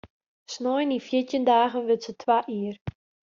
Snein yn fjirtjin dagen wurdt se twa jier.